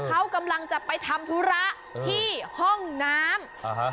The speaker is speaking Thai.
เขากำลังจะไปทำธุระที่ห้องน้ำอ่าฮะ